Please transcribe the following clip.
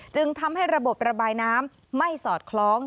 จึงทำให้ระบบระบายน้ำไม่สอดคล้อง